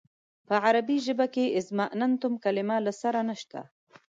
په عربي ژبه کې اظماننتم کلمه له سره نشته.